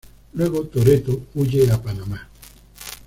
Luego Toretto huye a Panamá.